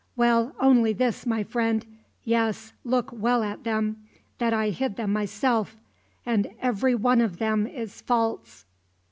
Well, only this, my friend yes, look well at them that I hid them myself, and every one of them is false."